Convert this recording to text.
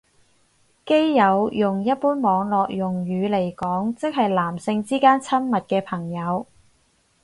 基友用一般網絡用語嚟講即係男性之間親密嘅朋友